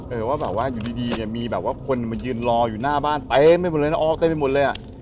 ว่าแบบว่าอยู่ดีเนี่ยมีแบบว่าคนมายืนรออยู่หน้าบ้านเต็มไปหมดเลยนะออกเต็มไปหมดเลยอ่ะ